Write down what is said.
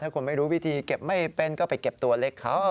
คนไม่รู้วิธีเก็บไม่เป็นก็ไปเก็บตัวเล็กเขา